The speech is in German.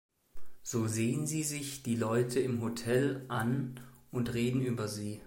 So sehen sie sich die Leute im Hotel an und reden über sie.